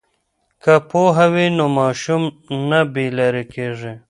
که پوهه وي نو ماشوم نه بې لارې کیږي.